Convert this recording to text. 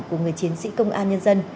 của các chiến sĩ công an nhân dân